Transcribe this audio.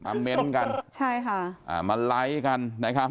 มาเม้นต์กันมาไลค์กัน